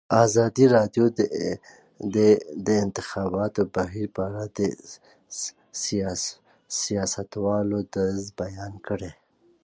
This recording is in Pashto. ازادي راډیو د د انتخاباتو بهیر په اړه د سیاستوالو دریځ بیان کړی.